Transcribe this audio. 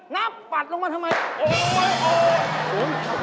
นอดปัจค์เรามาทำไมโอ้โธเอ้า